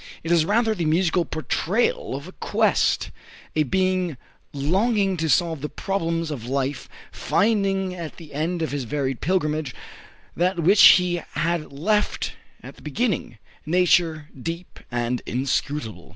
It is rather the musical portrayal of a quest a being longing to solve the problems of life, finding at the end of his varied pilgrimage that which he had left at the beginning, Nature deep and inscrutable.